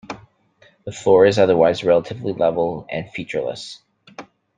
The floor is otherwise relatively level and featureless.